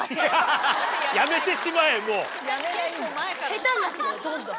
下手になってるどんどん。